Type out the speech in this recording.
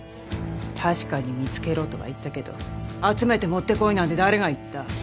確かに見つけろとは言ったけど集めて持ってこいなんて誰が言った？